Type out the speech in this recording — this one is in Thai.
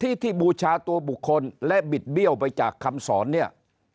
ที่ที่บูชาตัวบุคคลและบิดเบี้ยวไปจากคำสอนเนี่ย